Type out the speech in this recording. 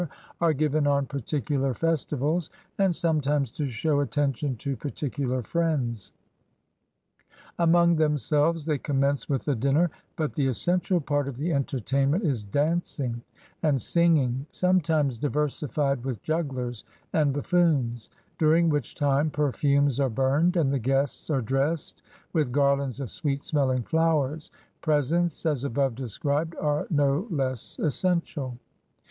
are given on particular festivals, and sometimes to show attention to particular friends. Among themselves they commence with a dinner; but the essential part of the entertainment is dancing and singing, sometimes diversified with jugglers and buffoons; during which time perfumes are burned, and the guests are dressed with garlands of sweet smelling flowers; presents, as above described, are no less essential.